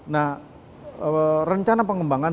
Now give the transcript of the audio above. nah rencana pengembangan